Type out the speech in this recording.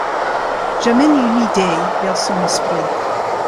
J'amène une idée vers son esprit.